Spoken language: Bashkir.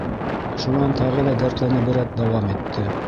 Шунан тағы ла дәртләнеберәк дауам итте.